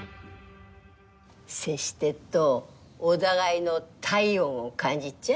接してっとお互いの体温を感じっちゃ？